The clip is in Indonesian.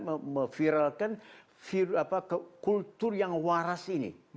memviralkan kultur yang waras ini